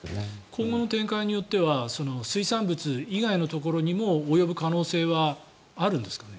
今後の展開によっては水産物以外のところにも及ぶ可能性はあるんですかね。